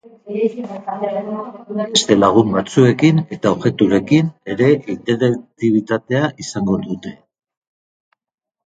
Beste lagun batzuekin eta objekturekin ere interaktibitatea izango dute.